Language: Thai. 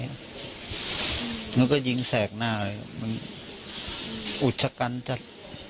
แล้วก็ยิงแสกหน้าเลยมันอุดชะกันจัด